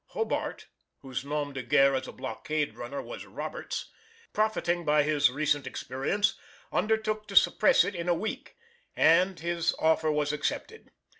Hobart (whose nom de guerre as a blockade runner was "Roberts"), profiting by his recent experience, undertook to suppress it in a week, and his offer was accepted.